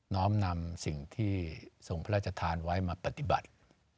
้อมนำสิ่งที่ทรงพระราชทานไว้มาปฏิบัติ